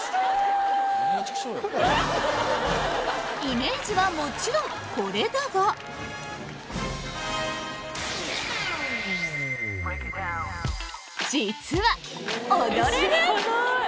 イメージはもちろんこれだが実は踊れる！